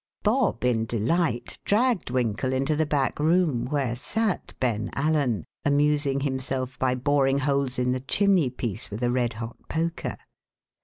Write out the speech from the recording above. Bob, in delight, dragged Winkle into the back room where sat Ben Allen, amusing himself by boring holes in the chimney piece with a red hot poker.